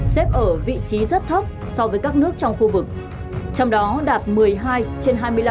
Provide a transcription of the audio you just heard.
xếp ở vị trí rất thấp so với các nước trong khu vực trong đó đạt một mươi hai trên hai mươi năm điểm ở danh mục trở ngại truy cập